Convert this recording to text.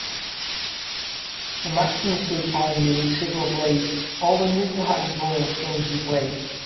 Thomason saw time during several plays, although never had a ball thrown his way.